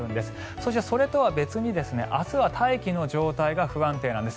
そして、それとは別に明日は大気の状態が不安定なんです。